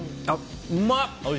うまっ！